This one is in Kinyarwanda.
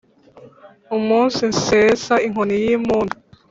Umunsi nzesa inkoni y’impundu